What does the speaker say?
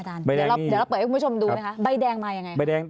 อาจารย์เดี๋ยวเราเปิดให้คุณผู้ชมดูไหมคะใบแดงมายังไงใบแดง